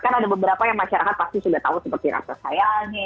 kan ada beberapa yang masyarakat pasti sudah tahu seperti rasa sayangnya